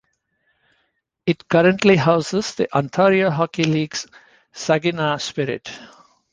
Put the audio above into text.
It currently houses the Ontario Hockey League's Saginaw Spirit.